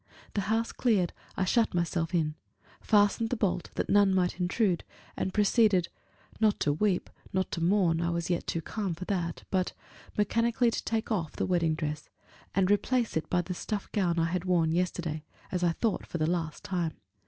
The house cleared, I shut myself in, fastened the bolt that none might intrude, and proceeded not to weep, not to mourn, I was yet too calm for that, but mechanically to take off the wedding dress, and replace if by the stuff gown I had worn yesterday, as I thought for the last time.